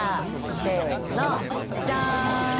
せのじゃん！